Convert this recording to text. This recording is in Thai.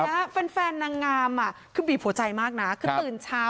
แล้วแฟนแฟนนางงามอ่ะคือบีบหัวใจมากนะคือตื่นเช้า